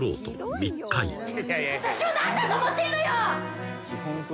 「私を何だと思ってるのよ！」